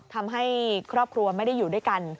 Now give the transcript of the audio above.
ทำให้ครอบครัวไม่ได้อยู่ด้วยกัน